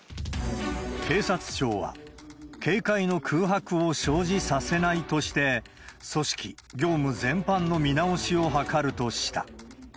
警察庁は、警戒の空白を生じさせないとして、組織、業務全般の見直しを図るとした。